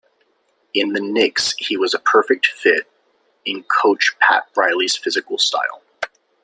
In the Knicks he was a perfect fit in coach Pat Riley's physical style.